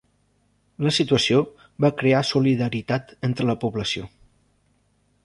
La situació va crear solidaritat entre la població.